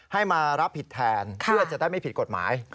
ให้มารับผิดแทนเพื่อจะได้ไม่ผิดกฎหมาย